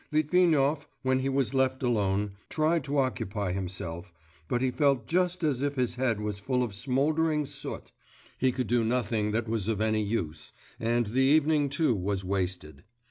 Litvinov, when he was left alone, tried to occupy himself, but he felt just as if his head was full of smouldering soot; he could do nothing that was of any use, and the evening too was wasted.